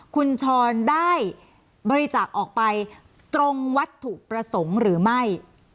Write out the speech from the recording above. คุณชรได้บริจาคออกไปตรงวัตถุประสงค์หรือไม่